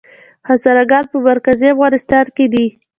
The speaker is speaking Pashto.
هزاره ګان په مرکزي افغانستان کې دي؟